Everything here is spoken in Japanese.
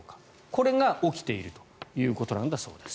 これが起きているということなんだそうです。